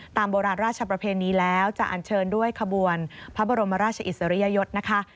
โบราณราชประเพณีแล้วจะอันเชิญด้วยขบวนพระบรมราชอิสริยยศนะคะ